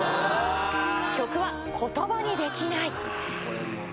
曲は、言葉にできない。